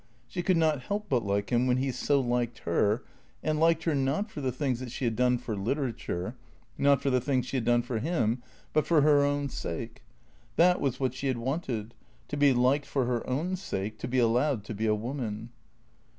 She could not help but like him when he so liked her, and liked her, not for the things that she had done for literature, not for the things she had done for him, but for her own sake. That was what she had wanted, to be liked for her own sake, to be allowed to be a woman.